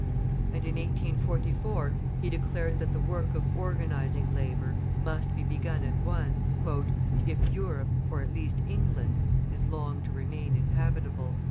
And in 1844 he declared that the work of organising labour must be begun at once "if Europe or at least England, is long to remain inhabitable."